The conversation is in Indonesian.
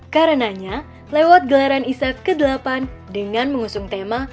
karenanya lewat gelaran isak ke delapan dengan mengusung tema